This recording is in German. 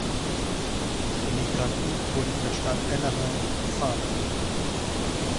Die Emigranten wurden in der Stadt Anaheim Farmer.